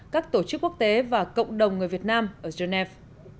các tổ chức quốc tế và cộng đồng người việt nam ở geneva